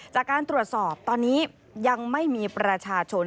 จากการตรวจสอบตอนนี้ยังไม่มีประชาชน